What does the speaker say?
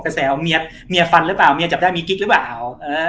แสของเมียเมียฟันหรือเปล่าเมียจับได้มีกิ๊กหรือเปล่า